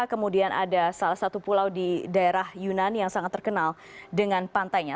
kemudian ada salah satu pulau di daerah yunani yang sangat terkenal dengan pantainya